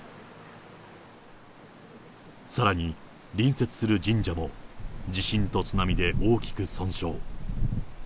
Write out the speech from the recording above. さらに、隣接する神社も、地震と津波で大きく損傷。